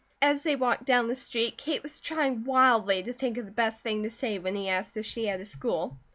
As they walked down the street Kate was trying wildly to think of the best thing to say when he asked if she had a school.